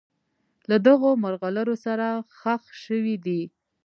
له دغو مرغلرو سره ښخ شوي دي.